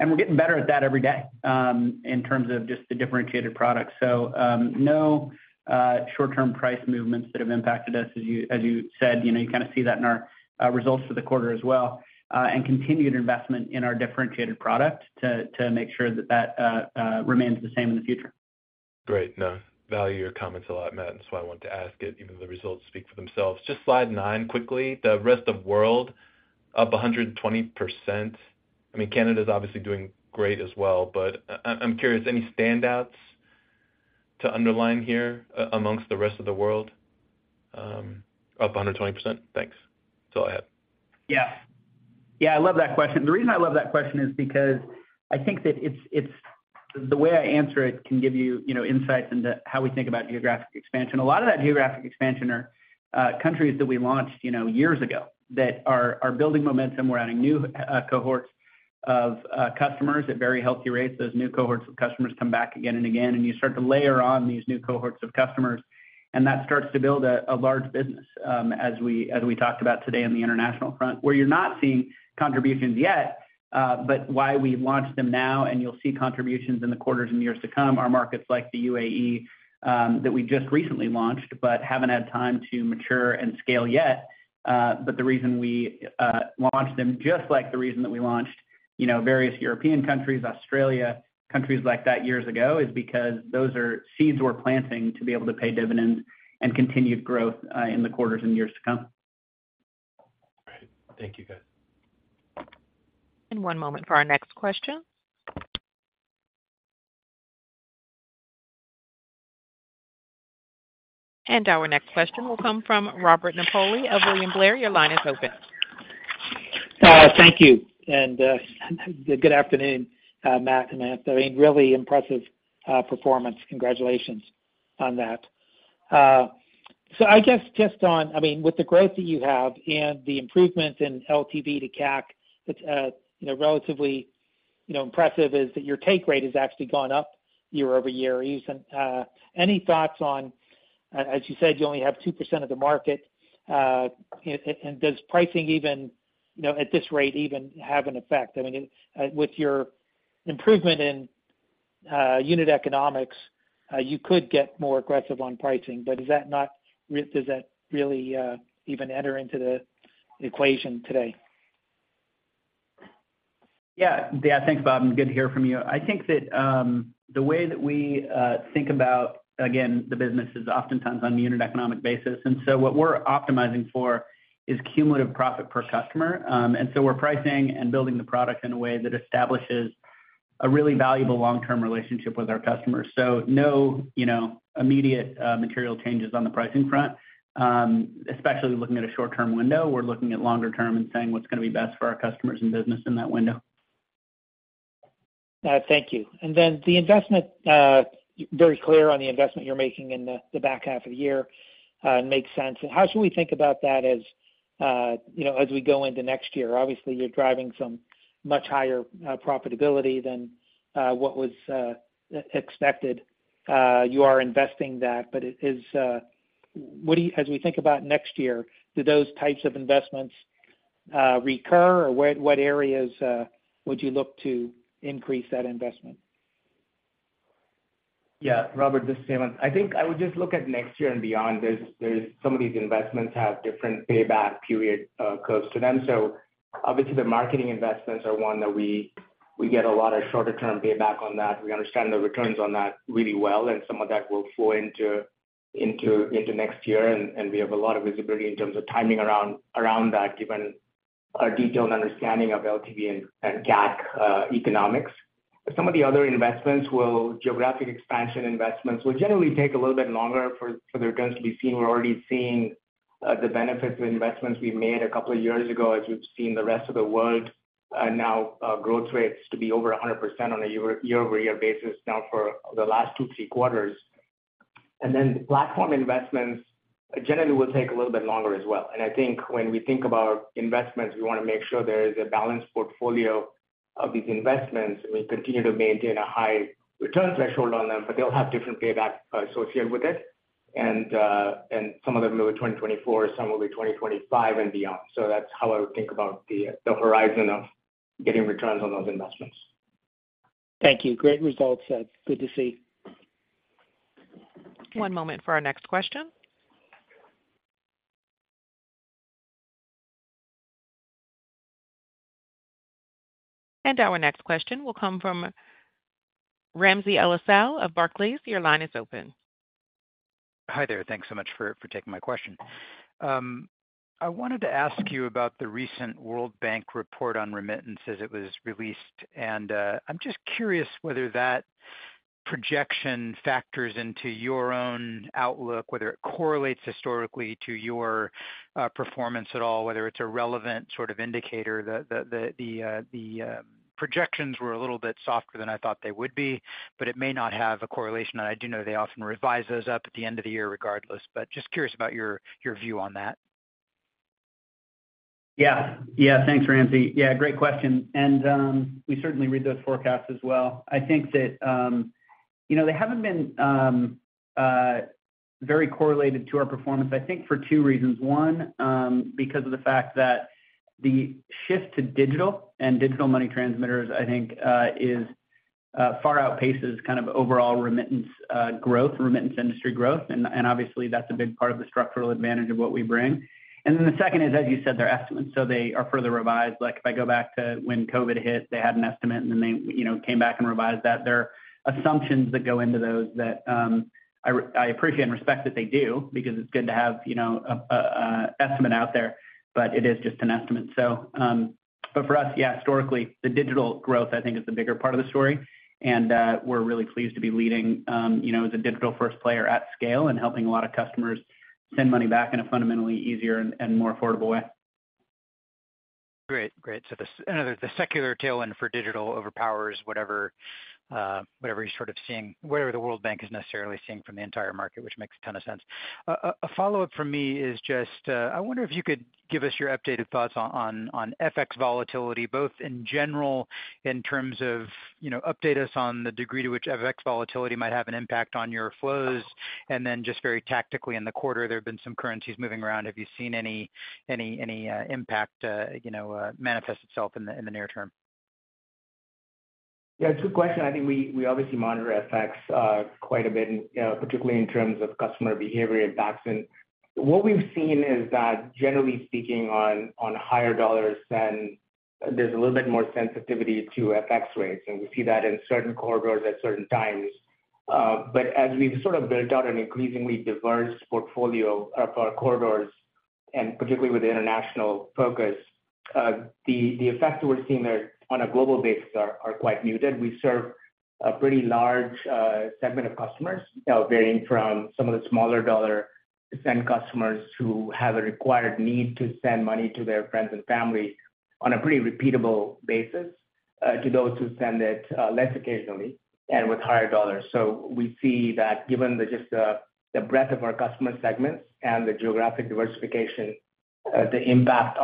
We're getting better at that every day in terms of just the differentiated products. No short-term price movements that have impacted us, as you, as you said, you know, you kind of see that in our results for the quarter as well, and continued investment in our differentiated product to, to make sure that that remains the same in the future. Great. No, value your comments a lot, Matt. That's why I want to ask it, even the results speak for themselves. Just slide nine quickly, the rest of world, up 120%. I mean, Canada is obviously doing great as well, but I, I, I'm curious, any standouts to underline here amongst the rest of the world, up 120%? Thanks. That's all I have. Yeah. Yeah, I love that question. The reason I love that question is because I think that it's the way I answer it can give you, you know, insights into how we think about geographic expansion. A lot of that geographic expansion are countries that we launched, you know, years ago, that are building momentum. We're adding new cohorts of customers at very healthy rates. Those new cohorts of customers come back again and again, and you start to layer on these new cohorts of customers, and that starts to build a large business as we talked about today on the international front. Where you're not seeing contributions yet but why we launched them now, and you'll see contributions in the quarters and years to come, are markets like the UAE that we just recently launched but haven't had time to mature and scale yet. But the reason we launched them, just like the reason that we launched, you know, various European countries, Australia, countries like that years ago, is because those are seeds we're planting to be able to pay dividends and continued growth in the quarters and years to come. Great. Thank you, guys. One moment for our next question. Our next question will come from Robert Napoli of William Blair. Your line is open. Thank you, good afternoon, Matt and Hemanth. I mean, really impressive performance. Congratulations on that. I guess, just on-- I mean, with the growth that you have and the improvements in LTV to CAC, it's, you know, relatively, you know, impressive, is that your take rate has actually gone up year-over-year. Even, any thoughts on, as you said, you only have 2% of the market, and does pricing even, you know, at this rate, even have an effect? I mean, with your improvement in unit economics, you could get more aggressive on pricing, is that not, does that really even enter into the equation today? Yeah. Yeah, thanks, Bob. Good to hear from you. I think that the way that we think about, again, the business is oftentimes on a unit economic basis. What we're optimizing for is cumulative profit per customer. We're pricing and building the product in a way that establishes a really valuable long-term relationship with our customers. No, you know, immediate material changes on the pricing front, especially looking at a short-term window. We're looking at longer term and saying what's going to be best for our customers and business in that window. Thank you. Then the investment, very clear on the investment you're making in the, the back half of the year, it makes sense. How should we think about that as, you know, as we go into next year? Obviously, you're driving some much higher profitability than what was expected. You are investing that, but it is. As we think about next year, do those types of investments recur, or what, what areas would you look to increase that investment? Yeah, Robert, this is Hemanth. I think I would just look at next year and beyond. There's, there's some of these investments have different payback period curves to them. Obviously, the marketing investments are one that we, we get a lot of shorter-term payback on that. We understand the returns on that really well, and some of that will flow into, into, into next year, and, and we have a lot of visibility in terms of timing around, around that, given our detailed understanding of LTV and, and GAAP economics. Some of the other investments will -- geographic expansion investments will generally take a little bit longer for, for their returns to be seen. We're already seeing the benefits of investments we made a couple of years ago, as we've seen the rest of the world, now, growth rates to be over 100% on a year-over-year basis now for the last two, three quarters. Then platform investments generally will take a little bit longer as well. I think when we think about investments, we want to make sure there is a balanced portfolio of these investments, and we continue to maintain a high return threshold on them, but they'll have different payback associated with it. Some of them will be 2024, some will be 2025 and beyond. That's how I would think about the, the horizon of getting returns on those investments. Thank you. Great results. Good to see. One moment for our next question. Our next question will come from Ramsey El-Assal of Barclays. Your line is open. Hi there. Thanks so much for, for taking my question. I wanted to ask you about the recent World Bank report on remittances. It was released, I'm just curious whether that projection factors into your own outlook, whether it correlates historically to your performance at all, whether it's a relevant sort of indicator. The projections were a little bit softer than I thought they would be, but it may not have a correlation. I do know they often revise those up at the end of the year regardless, but just curious about your, your view on that. Yeah. Yeah. Thanks, Ramsey. Yeah, great question, and we certainly read those forecasts as well. I think that, you know, they haven't been very correlated to our performance, I think for two reasons. One, because of the fact that the shift to digital and digital money transmitters, I think, is far outpaces kind of overall remittance growth, remittance industry growth, and, and obviously, that's a big part of the structural advantage of what we bring. Then the second is, as you said, they're estimates, so they are further revised. Like, if I go back to when COVID hit, they had an estimate, and then they, you know, came back and revised that. There are assumptions that go into those that, I, I appreciate and respect that they do, because it's good to have, you know, a, a, a estimate out there, but it is just an estimate. For us, yeah, historically, the digital growth, I think, is the bigger part of the story, and, we're really pleased to be leading, you know, as a digital-first player at scale and helping a lot of customers send money back in a fundamentally easier and, and more affordable way. Great. Great. The, you know, the secular tailwind for digital overpowers whatever, whatever you're sort of seeing, whatever the World Bank is necessarily seeing from the entire market, which makes a ton of sense. A follow-up from me is just, I wonder if you could give us your updated thoughts on, on, on FX volatility, both in general, in terms of, you know, update us on the degree to which FX volatility might have an impact on your flows, and then just very tactically in the quarter, there have been some currencies moving around. Have you seen any, any, any, impact, you know, manifest itself in the, in the near term? Yeah, good question. I think we, we obviously monitor FX, quite a bit, you know, particularly in terms of customer behavior impacts. What we've seen is that generally speaking, on, on higher dollars send, there's a little bit more sensitivity to FX rates, and we see that in certain corridors at certain times. As we've sort of built out an increasingly diverse portfolio of our corridors, and particularly with the international focus, the, the effects that we're seeing there on a global basis are, are quite muted. We serve a pretty large, segment of customers, varying from some of the smaller dollar send customers who have a required need to send money to their friends and family on a pretty repeatable basis, to those who send it, less occasionally and with higher dollars. We see that given the, just the, the breadth of our customer segments and the geographic diversification, the impact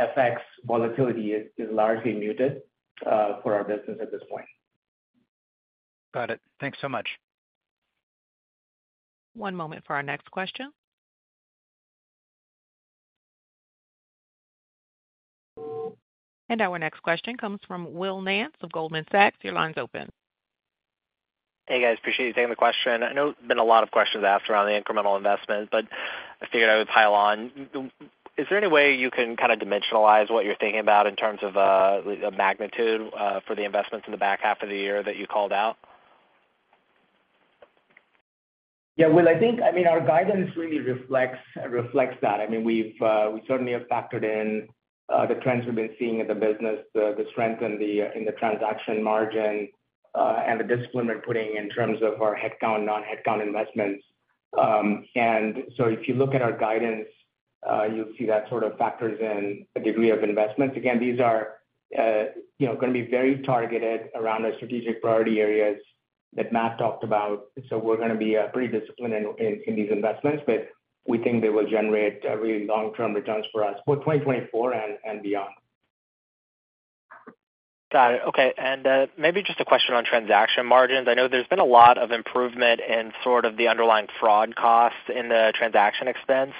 on FX volatility is largely muted for our business at this point. Got it. Thanks so much. One moment for our next question. Our next question comes from Will Nance of Goldman Sachs. Your line's open. Hey, guys, appreciate you taking the question. I know there's been a lot of questions asked around the incremental investment. I figured I would pile on. Is there any way you can kind of dimensionalize what you're thinking about in terms of a magnitude for the investments in the back half of the year that you called out? Yeah, Will, I think, I mean, our guidance really reflects, reflects that. I mean, we've, we certainly have factored in, the trends we've been seeing in the business, the, the strength in the, in the transaction margin, and the discipline we're putting in terms of our headcount, non-headcount investments. If you look at our guidance, you'll see that sort of factors in a degree of investments. Again, these are, you know, going to be very targeted around the strategic priority areas that Matt talked about. We're going to be, pretty disciplined in, in these investments, but we think they will generate, really long-term returns for us for 2024 and, and beyond. Got it. Okay. Maybe just a question on transaction margins. I know there's been a lot of improvement in sort of the underlying fraud costs in the transaction expense.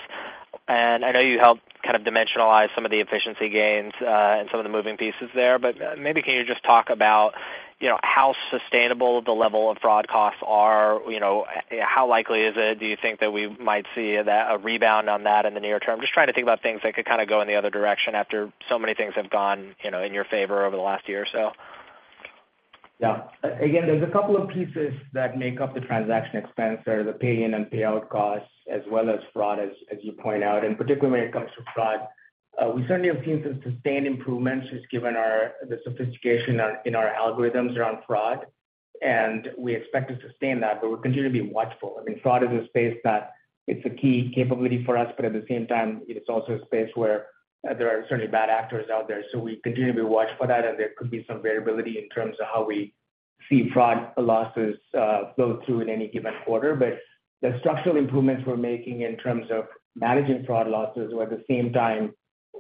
I know you helped kind of dimensionalize some of the efficiency gains, and some of the moving pieces there, but maybe can you just talk about, you know, how sustainable the level of fraud costs are? You know, how likely is it, do you think, that we might see that, a rebound on that in the near term? Just trying to think about things that could kind of go in the other direction after so many things have gone, you know, in your favor over the last year or so. Yeah. Again, there's a couple of pieces that make up the transaction expense. There are the pay in and payout costs, as well as fraud, as, as you point out, and particularly when it comes to fraud. We certainly have seen some sustained improvements just given our... the sophistication in our algorithms around fraud, and we expect to sustain that, but we'll continue to be watchful. I mean, fraud is a space that it's a key capability for us, but at the same time, it is also a space where there are certainly bad actors out there. We continue to watch for that, and there could be some variability in terms of how we see fraud losses, flow through in any given quarter. The structural improvements we're making in terms of managing fraud losses, while at the same time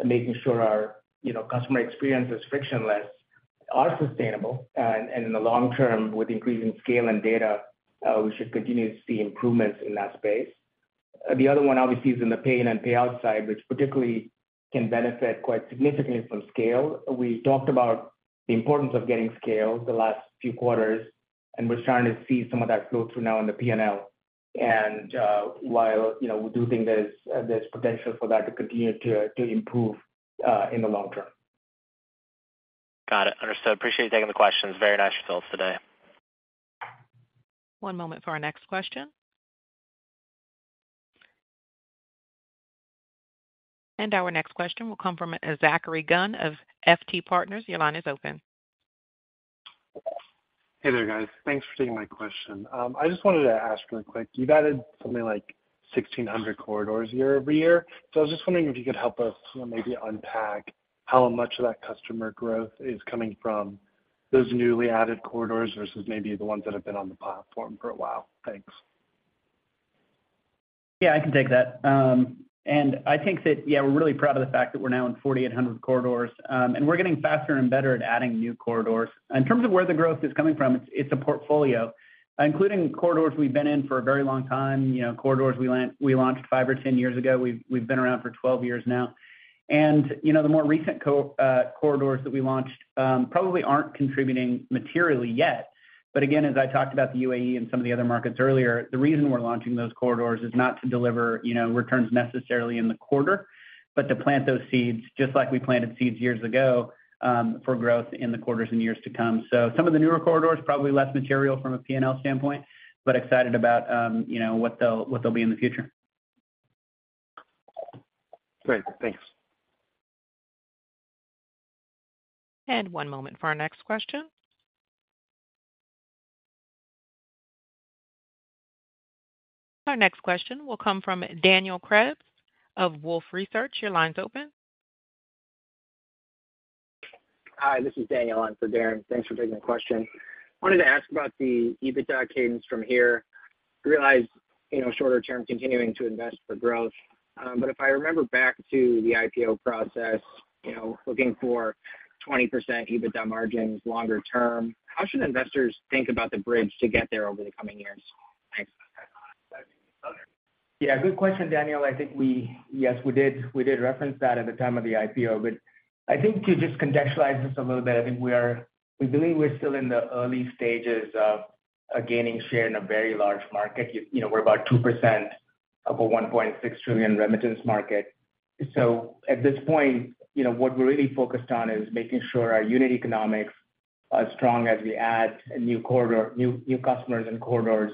making sure our, you know, customer experience is frictionless, are sustainable. In the long-term, with increasing scale and data, we should continue to see improvements in that space. The other one, obviously, is in the pay in and payout side, which particularly can benefit quite significantly from scale. We talked about the importance of getting scale the last few quarters, and we're starting to see some of that flow through now in the P&L. While, you know, we do think there's, there's potential for that to continue to improve in the long-term. Got it. Understood. Appreciate you taking the questions. Very nice results today. One moment for our next question. Our next question will come from Zachary Gunn of FT Partners. Your line is open. Hey there, guys. Thanks for taking my question. I just wanted to ask really quick, you've added something like 1,600 corridors year-over-year, so I was just wondering if you could help us maybe unpack how much of that customer growth is coming from those newly added corridors versus maybe the ones that have been on the platform for a while. Thanks. Yeah, I can take that. And I think that, yeah, we're really proud of the fact that we're now in 4,800 corridors, and we're getting faster and better at adding new corridors. In terms of where the growth is coming from, it's a portfolio, including corridors we've been in for a very long time, you know, corridors we launched five or 10 years ago. We've, we've been around for 12 years now. And, you know, the more recent corridors that we launched, probably aren't contributing materially yet. But again, as I talked about the UAE and some of the other markets earlier, the reason we're launching those corridors is not to deliver, you know, returns necessarily in the quarter, but to plant those seeds, just like we planted seeds years ago, for growth in the quarters and years to come. Some of the newer corridors, probably less material from a P&L standpoint, but excited about, you know, what they'll, what they'll be in the future. Great. Thanks. One moment for our next question. Our next question will come from Daniel Krebs of Wolfe Research. Your line's open. Hi, this is Daniel. I'm for Darrin. Thanks for taking the question. Wanted to ask about the EBITDA cadence from here. Realize, you know, shorter term, continuing to invest for growth, but if I remember back to the IPO process, you know, looking for 20% EBITDA margins longer term, how should investors think about the bridge to get there over the coming years? Thanks. Yeah, good question, Daniel. I think yes, we did, we did reference that at the time of the IPO, but I think to just contextualize this a little bit, I think we are, we believe we're still in the early stages of gaining share in a very large market. You know, we're about 2% of a $1.6 trillion remittance market. At this point, you know, what we're really focused on is making sure our unit economics are strong as we add a new corridor, new, new customers and corridors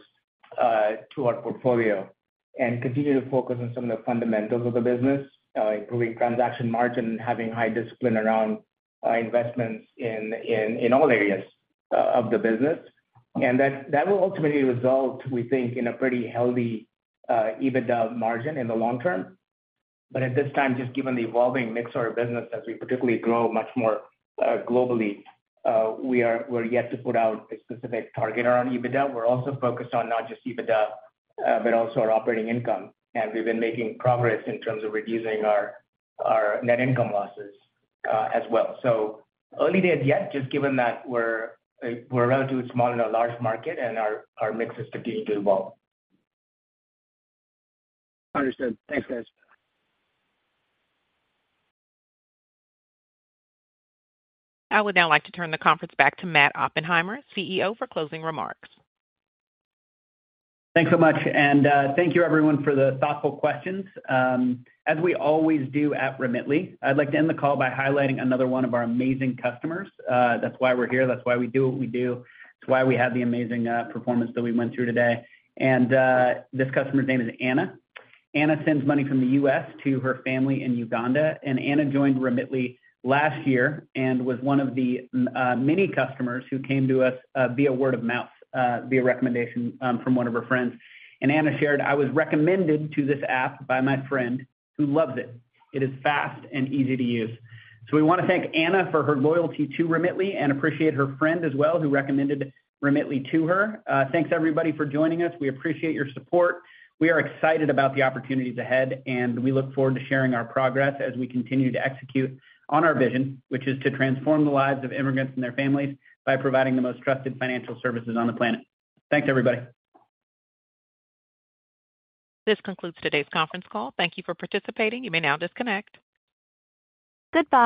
to our portfolio. Continue to focus on some of the fundamentals of the business, improving transaction margin and having high discipline around investments in all areas of the business. That, that will ultimately result, we think, in a pretty healthy EBITDA margin in the long-term. At this time, just given the evolving mix of our business, as we particularly grow much more globally, we're yet to put out a specific target around EBITDA. We're also focused on not just EBITDA, but also our operating income, and we've been making progress in terms of reducing our net income losses as well early days yet, just given that we're, we're relatively small in a large market and our, our mix is continuing to evolve. Understood. Thanks, guys. I would now like to turn the conference back to Matt Oppenheimer, CEO, for closing remarks. Thanks so much, thank you everyone for the thoughtful questions. As we always do at Remitly, I'd like to end the call by highlighting another one of our amazing customers. That's why we're here, that's why we do what we do. It's why we have the amazing performance that we went through today. This customer's name is Ana. Ana sends money from the US to her family in Uganda, Ana joined Remitly last year and was one of the many customers who came to us via word of mouth, via recommendation from one of her friends. Ana shared, "I was recommended to this app by my friend who loves it. It is fast and easy to use." We wanna thank Ana for her loyalty to Remitly and appreciate her friend as well, who recommended Remitly to her. Thanks everybody for joining us, we appreciate your support. We are excited about the opportunities ahead, and we look forward to sharing our progress as we continue to execute on our vision, which is to transform the lives of immigrants and their families by providing the most trusted financial services on the planet. Thanks, everybody. This concludes today's conference call. Thank you for participating. You may now disconnect. Goodbye.